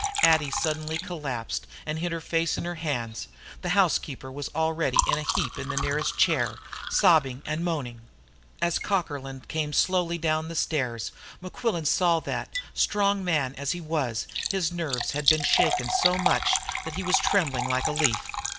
Addie suddenly collapsed, and hid her face in her hands. The housekeeper was already in a heap in the nearest chair, sobbing and moaning. And as Cockerlyne came slowly down the stairs, Mequillen saw that, strong man as he was, his nerves had been shaken so much that he was trembling like a leaf.